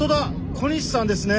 小西さんですね。